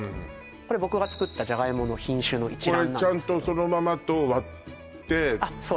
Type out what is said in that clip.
これ僕が作ったじゃがいもの品種の一覧なんですけどこれちゃんとそのままと割ってあっそうです